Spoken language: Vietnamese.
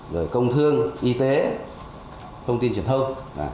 rồi công thương y tế thông tin truyền thông